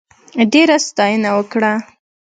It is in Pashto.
ډېره ستاینه وکړه.